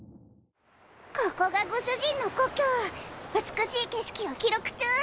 ここがご主人の故郷美しい景色を記録中！